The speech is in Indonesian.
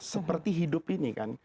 seperti hidup ini kan